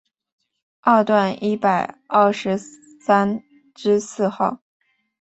二段一百二十三之四号